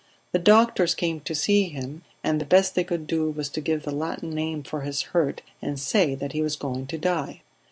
The doctors came to see him, and the best they could do was to give the Latin name for his hurt and say that he was going to die.